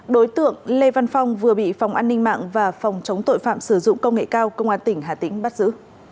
đối tượng lê văn phong vừa bị phòng an ninh mạng và phòng chống tội phạm sử dụng công nghệ cao công an tỉnh hà tĩnh bắt giữ